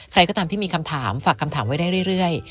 ใครก็ตามที่มีคำถามฝากคำถามไว้ได้เรื่อย